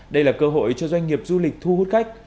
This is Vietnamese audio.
đây là cơ hội cho doanh nghiệp du lịch thu hút khách